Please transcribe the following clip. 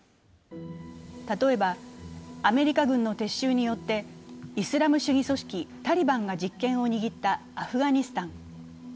例えばアメリカ軍の撤収によってイスラム主義組織タリバンが実権を握ったアフガニスタン。